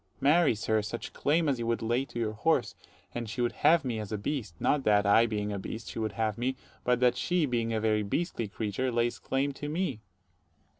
Dro. S. Marry, sir, such claim as you would lay to your horse; and she would have me as a beast: not that, 85 I being a beast, she would have me; but that she, being a very beastly creature, lays claim to me.